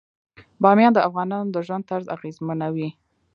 بامیان د افغانانو د ژوند طرز اغېزمنوي.